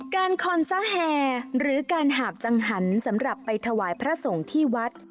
คอนซาแห่หรือการหาบจังหันสำหรับไปถวายพระสงฆ์ที่วัด